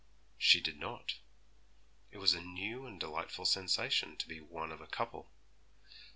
She did not. It was a new and delightful sensation to be one of a couple.